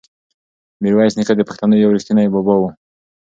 میرویس نیکه د پښتنو یو ریښتونی بابا و.